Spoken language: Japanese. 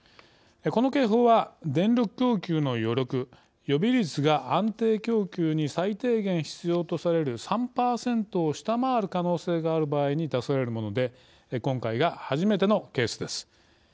この警報は電力供給の余力、予備率が安定供給に最低限必要とされる３％を下回る可能性がある場合に出されるもので今回が初めてのケースです。